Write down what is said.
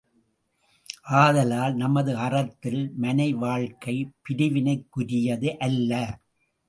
ஆதலால், நமது அறத்தில் மனை வாழ்க்கை, பிரிவினைக்குரியது அல்ல.